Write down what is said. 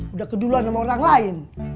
udah keduluan sama orang lain